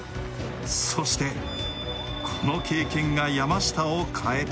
そして、この経験が山下を変えた。